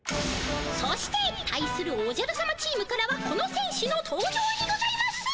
そして対するおじゃるさまチームからはこのせん手の登場にございます！